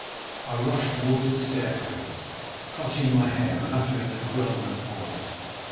I rushed towards the staircase, clutching my hair, and uttering a groan of horror.